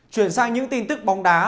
chuyển sang những tin tức bóng đá